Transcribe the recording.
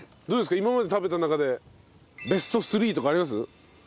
今まで食べた中でベスト３とかあります？